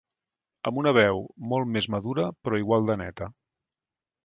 Amb una veu molt més madura però igual de neta.